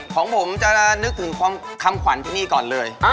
ของผมจะนึกถึงคำขวัญที่นี่ก่อนเลย